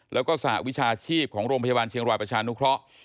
แล้วก็สหวิชาชีพของโรงพยาบาลเชียงรายประชานุเคราะห์